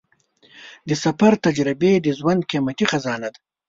د سفر تجربې د ژوند قیمتي خزانه ده.